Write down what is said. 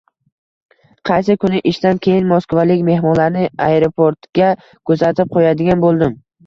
Qaysi kuni ishdan keyin moskvalik mehmonlarni ayeroportga kuzatib qo‘yadigan bo‘ldim.